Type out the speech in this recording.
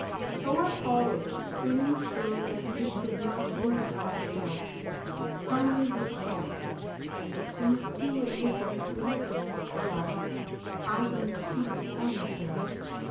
So I followed, feeling sure that we should not lose ourselves. Suddenly, he stopped. "Do you see a group of trees?" he asked. "I don't see anything."